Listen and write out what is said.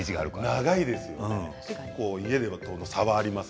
長いですよね。